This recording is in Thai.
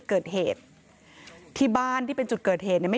กลับบ้านไปอ่ะคุณผู้ชม